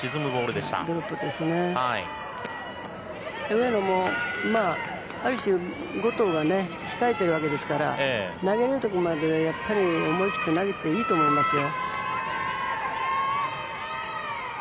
上野も、ある種後藤が控えているわけですから投げられる時まで思い切って投げていいと思いますよ。